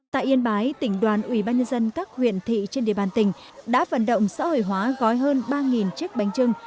tại yên bái tỉnh đoàn ubnd các huyện thị trên địa bàn tỉnh đã vận động xã hội hóa gói hơn ba chiếc bánh trưng